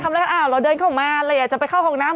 อ้าวเราเดินเข้ามาเราอยากจะไปเข้าห้องน้ำ